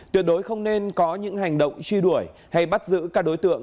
tuyệt đối không nên có những hành động truy đuổi hay bắt giữ các đối tượng